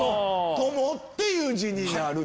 「友」っていう字になる。